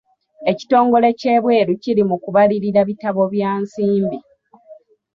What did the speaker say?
Ekitongole ky'ebweru kiri mu kubalirira bitabo bya nsimbi.